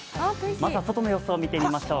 まずは外の様子を見てみましょう。